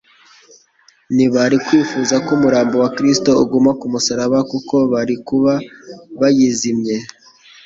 Ntibari kwifuza ko umurambo wa Kristo uguma ku musaraba kuko bari kuba bayizimye.